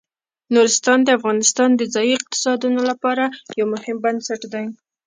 نورستان د افغانستان د ځایي اقتصادونو لپاره یو مهم بنسټ دی.